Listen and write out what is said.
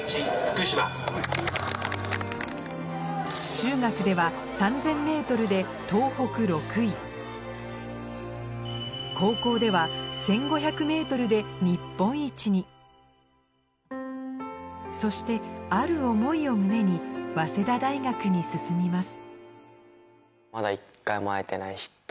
中学では３０００ｍで東北高校ではそしてある思いを胸に早稲田大学に進みます